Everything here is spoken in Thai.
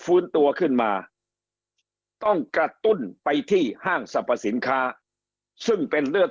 ฟื้นตัวขึ้นมาต้องกระตุ้นไปที่ห้างสรรพสินค้าซึ่งเป็นเลือด